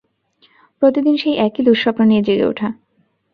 প্রতিদিন, সেই একই দুঃস্বপ্ন নিয়ে জেগে ওঠা।